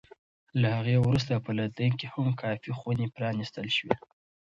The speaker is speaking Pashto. له هغې وروسته په لندن کې هم کافي خونې پرانېستل شوې.